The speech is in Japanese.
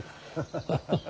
ハハハハ。